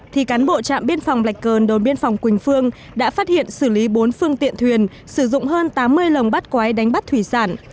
thì cán bộ trạm biên phòng lạch cơn đồn biên phòng quỳnh phương đã phát hiện xử lý bốn phương tiện thuyền sử dụng hơn tám mươi lồng bắt quái đánh bắt thủy sản